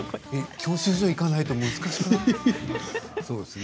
教習所行かないと難しいよね。